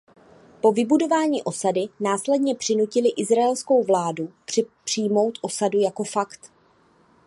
Po vybudování osady následně přinutili izraelskou vládu přijmout osadu jako fakt.